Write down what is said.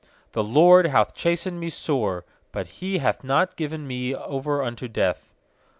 18The LORD hath chastened me sore; But He hath not given me over unto death.